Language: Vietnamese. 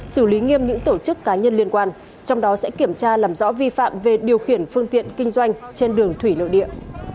xử lý nghiêm những tổ chức cá nhân liên quan trong đó sẽ kiểm tra làm rõ vi phạm về điều khiển phương tiện kinh doanh trên đường thủy nội địa